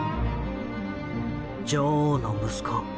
女王の息子